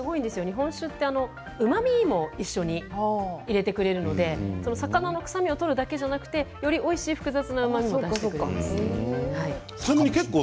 日本酒はうまみも一緒に入れてくれるので魚の臭みを取るだけではなくてよりおいしい複雑なうまみも出してくれるんです。